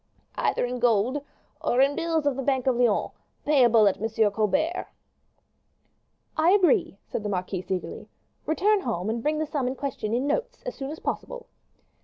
"Either in gold, or in bills of the bank of Lyons, payable at M. Colbert's." "I agree," said the marquise, eagerly; "return home and bring the sum in question in notes, as soon as possible."